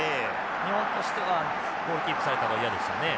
日本としてはボールキープされた方が嫌でしたね。